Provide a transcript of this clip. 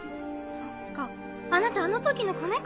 そっかあなたあの時の子猫。